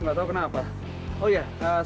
nggak apa apa nek